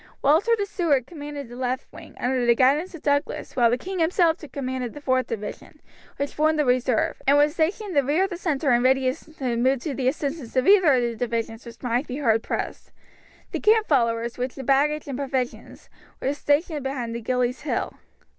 Walter the Steward commanded the left wing, under the guidance of Douglas, while the king himself took command of the fourth division, which formed the reserve, and was stationed in rear of the centre in readiness to move to the assistance of either of the other divisions which might be hard pressed. The camp followers, with the baggage and provisions, were stationed behind the Gillies Hill.